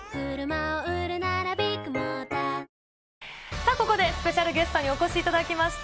さあ、ここでスペシャルゲストにお越しいただきました。